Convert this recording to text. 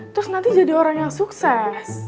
terus nanti jadi orang yang sukses